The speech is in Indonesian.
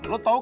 lo tau gak